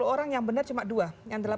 sepuluh orang yang benar cuma dua yang dalam